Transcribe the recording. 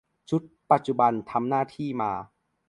ชุดปัจจุบันทำหน้าที่มา